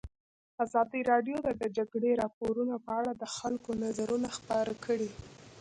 ازادي راډیو د د جګړې راپورونه په اړه د خلکو نظرونه خپاره کړي.